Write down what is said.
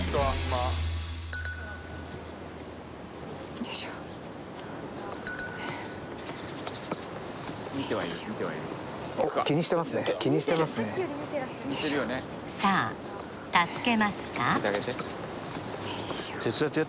よいしょ気にしてますねさあ助けますか？